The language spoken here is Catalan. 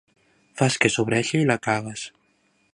Fas que sobreïxi i la cagues.